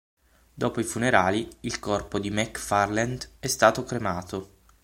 Dopo i funerali, il corpo di McFarland è stato cremato.